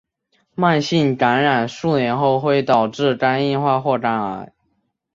慢性感染数年后会导致肝硬化或肝癌。